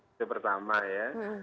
itu pertama ya